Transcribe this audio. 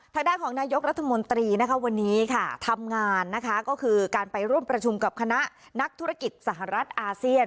ทางด้านของนายกรัฐมนตรีนะคะวันนี้ค่ะทำงานนะคะก็คือการไปร่วมประชุมกับคณะนักธุรกิจสหรัฐอาเซียน